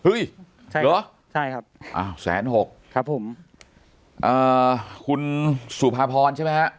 ใช่เหรอใช่ครับอ้าวแสนหกครับผมอ่าคุณสุภาพรใช่ไหมฮะ